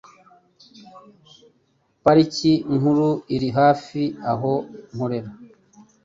Parike Nkuru iri hafi aho nkorera